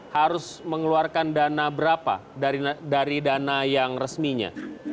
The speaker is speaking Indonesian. harus mengeluarkan dana berapa dari dana yang resminya